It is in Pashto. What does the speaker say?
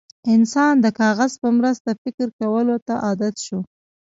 انسان د کاغذ په مرسته فکر کولو ته عادت شو.